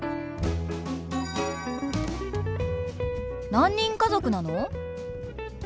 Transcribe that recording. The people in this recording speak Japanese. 何人家族なの？